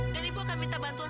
dan ibu akan minta bantuan